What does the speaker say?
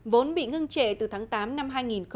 vốn bị ngưng trệ từ tháng tám năm hai nghìn một mươi chín